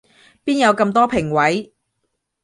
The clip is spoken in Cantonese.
邊有咁多評委